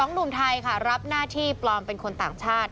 หนุ่มไทยค่ะรับหน้าที่ปลอมเป็นคนต่างชาติ